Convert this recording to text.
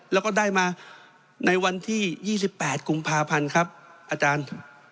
แล้วก็ได้มาในวันที่๒๘กุมภาพันธ์ครับอาจารย์